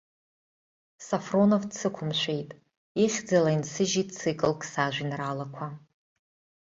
Софронов дсықәымшәеит, ихьӡала инсыжьит циклк сажәеинраалақәа.